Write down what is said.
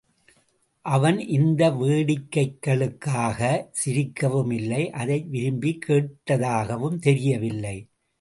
அவன் இந்த வேடிக்கைகளுக்காகச் சிரிக்கவும் இல்லை அதை விரும்பிக் கேட்டதாகவும் தெரியவில்லை.